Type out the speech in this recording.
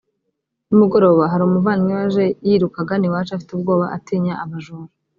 nimugoroba hari umuvandimwe waje yiruka agana iwacu afite ubwoba atinya abajura